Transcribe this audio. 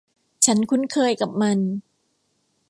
ฉันคุ้นเคยกับมัน